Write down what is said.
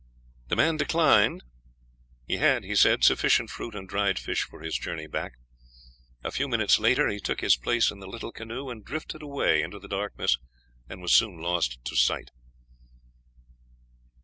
The man declined. He had, he said, sufficient fruit and dried fish for his journey back. A few minutes later he took his place in the little canoe and drifted away into the darkness, and was soon lost to sight.